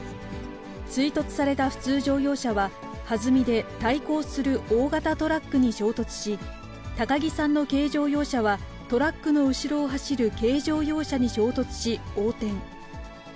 追突された普通乗用車は、はずみで対抗する大型トラックに衝突し、高城さんの軽乗用車はトラックの後ろを走る軽乗用車に衝突し、横転。